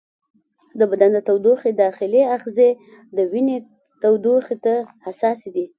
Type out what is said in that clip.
د بدن د تودوخې داخلي آخذې د وینې تودوخې ته حساسې دي.